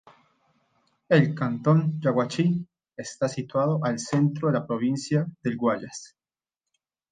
El cantón "Yaguachi" está situado al centro este de la provincia del Guayas.